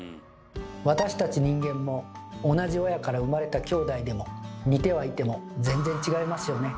私たち人間も同じ親から生まれたきょうだいでも似てはいても全然違いますよね。